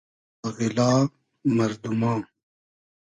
آغیلا مئردوما